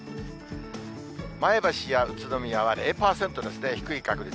前橋や宇都宮は０％ですね、低い確率。